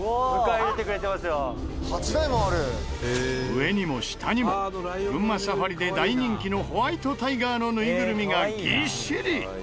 上にも下にも群馬サファリで大人気のホワイトタイガーのぬいぐるみがぎっしり！